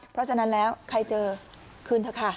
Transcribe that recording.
เพราะฉะนั้นแล้วใครเจอคืนเถอะค่ะ